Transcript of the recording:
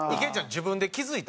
自分で気付いた？